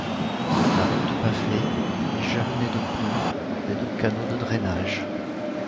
La route pavée est jalonnée de ponts et de canaux de drainage.